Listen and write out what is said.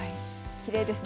きれいですね。